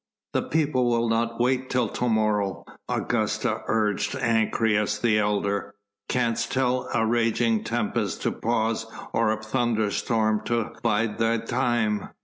"The people will not wait till to morrow, Augusta," urged Ancyrus, the elder, "canst tell a raging tempest to pause or a thunderstorm to bide thy time?